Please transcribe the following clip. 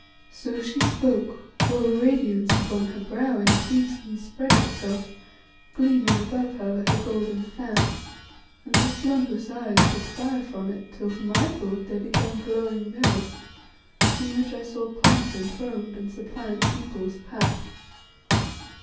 So she spoke, while the radiance upon her brow increased and spread itself, gleaming above her like a golden fan, and her slumbrous eyes took fire from it till, to my thought, they became glowing mirrors in which I saw pomp enthroned and suppliant peoples pass.